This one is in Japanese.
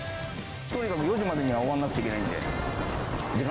とにかく４時までには終わんないといけないんで。